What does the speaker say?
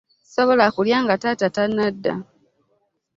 Ssisobola kulya nga taata tannadda.